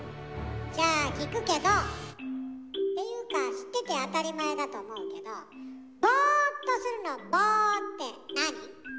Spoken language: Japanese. じゃあ聞くけどていうか知ってて当たり前だと思うけど「ボーっとする」の「ボー」って何？